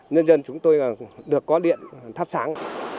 nhân dân chúng tôi được có điện tháp sáng